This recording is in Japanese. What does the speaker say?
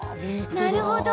なるほど！